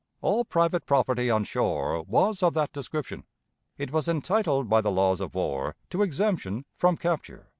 All private property on shore was of that description. It was entitled by the laws of war to exemption from capture."